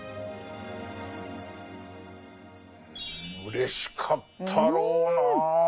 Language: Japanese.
うれしかったろうなあ。